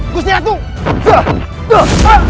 gue serah tuh